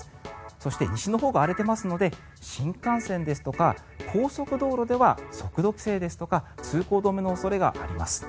そして西のほうが荒れていますので新幹線ですとか高速道路では速度規制ですとか通行止めの恐れがあります。